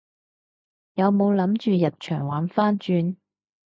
有冇諗住入場玩番轉？